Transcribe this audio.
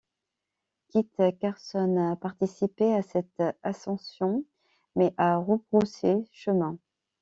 Kit Carson a participé à cette ascension mais a rebroussé chemin.